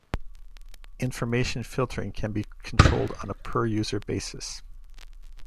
Information filtering can be controlled on a per-user basis.